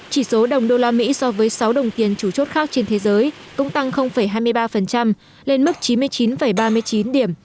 chỉ số đồng usd so với sáu đồng tiền chủ chốt khác trên thế giới cũng tăng hai mươi ba lên mức chín mươi chín ba mươi chín điểm